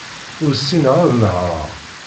Ur ssineɣ ad nehreɣ.